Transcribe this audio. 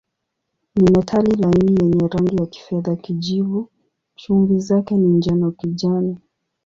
Ni metali laini yenye rangi ya kifedha-kijivu, chumvi zake ni njano-kijani.